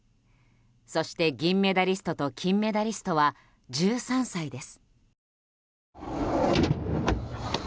そして銀メダリストと金メダリストは１３歳です。